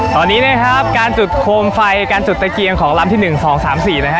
ตอนนี้นะครับการจุดโคมไฟการจุดตะเกียงของลำที่๑๒๓๔นะฮะ